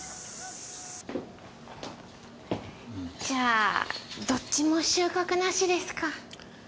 じゃあどっちも収穫なしですか。